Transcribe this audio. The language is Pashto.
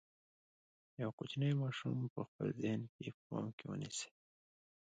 یو کوچنی ماشوم په خپل ذهن کې په پام کې ونیسئ.